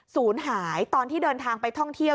ศูนย์หายตอนที่เดินทางไปท่องเที่ยว